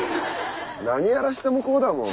何やらしてもこうだもん。